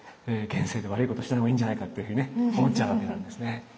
現世で悪いことしない方がいいんじゃないかっていうふうにね思っちゃうわけなんですね。